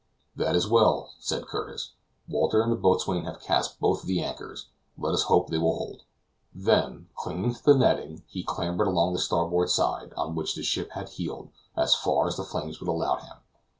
"That is well," said Curtis; "Walter and the boatswain have cast both the anchors. Let us hope they will hold." Then, clinging to the netting, he clambered along the starboard side, on which the ship had heeled, as far as the flames would allow him.